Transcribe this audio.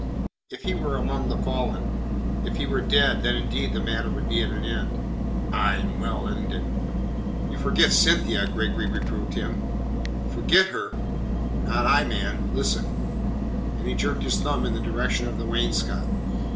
"If he were among the fallen if he were dead then indeed the matter would be at an end." "Aye, and well ended." "You forget Cynthia," Gregory reproved him. "Forget her? Not I, man. Listen." And he jerked his thumb in the direction of the wainscot.